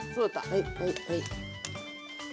はいはいはい。